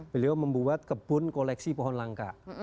beliau membuat kebun koleksi pohon langka